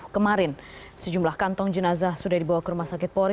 kemarin sejumlah kantong jenazah sudah dibawa ke rumah sakit polri